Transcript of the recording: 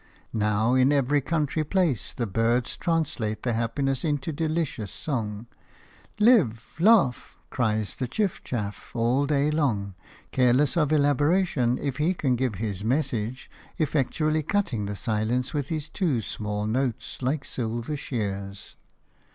Now in every country place the birds translate their happiness into delicious song. "Live! Laugh!" cries the chiff chaff all day long, careless of elaboration if he can give his message, effectually cutting the silence with his two small notes like silver shears.